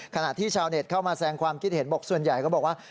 ขณะที่ชาวเน็ตเข้ามาแสงความคิดเห็นบอกส่วนใหญ่ก็บอกว่า